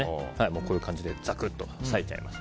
こういう感じでざくっと裂いちゃいます。